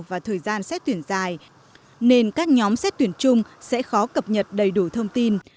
và thời gian xét tuyển dài nên các nhóm xét tuyển chung sẽ khó cập nhật đầy đủ thông tin